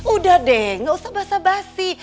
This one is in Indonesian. udah deh gak usah basah basi